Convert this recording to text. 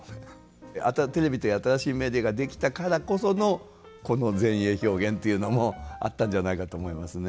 あとはテレビという新しいメディアが出来たからこそのこの前衛表現というのもあったんじゃないかと思いますね。